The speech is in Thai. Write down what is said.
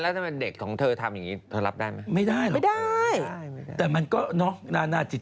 แต่คืออย่างที่ว่าแหละ